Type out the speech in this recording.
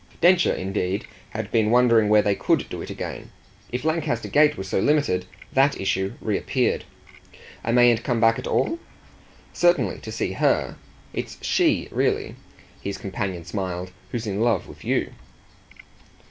Densher indeed had been wondering where they could do it again. If Lancaster Gate was so limited that issue reappeared. "I mayn't come back at all?" "Certainly to see her. It's she, really," his companion smiled, "who's in love with you."